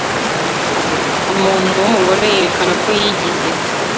umuntu w'umugome yerekana ko yigize